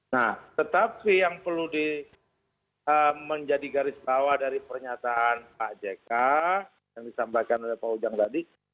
nah tetapi yang perlu menjadi garis bawah dari pernyataan pak jk yang disampaikan oleh pak ujang tadi